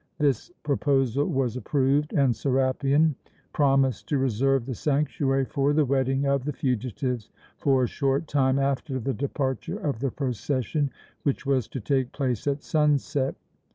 This proposal was approved, and Serapion promised to reserve the sanctuary for the wedding of the fugitives for a short time after the departure of the procession, which was to take place at sunset.